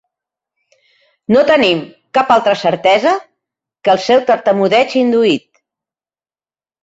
No tenim cap altra certesa que el seu tartamudeig induït.